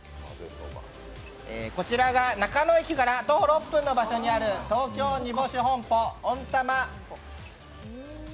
こちらが中野駅から徒歩６分の場所にある東京煮干屋本舗、温玉